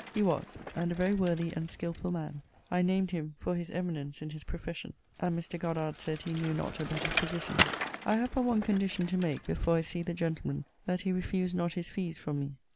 He was; and a very worthy and skilful man. I named him for his eminence in his profession: and Mr. Goddard said he knew not a better physician. I have but one condition to make before I see the gentleman; that he refuse not his fees from me.